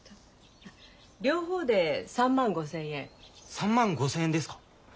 ３万５，０００円ですか？